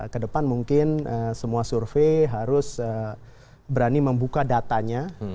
ke depan mungkin semua survei harus berani membuka datanya